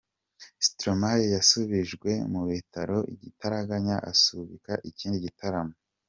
Stromae yasubijwe mu bitaro igitaraganya asubika ikindi gitaramo.